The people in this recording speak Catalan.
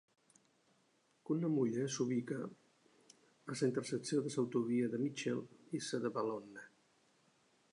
Cunnamulla s'ubica a la intersecció de l'autovia de Mitchell i la de Balonne.